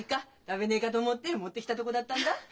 食べねえがと思って持ってきたとごだったんだ。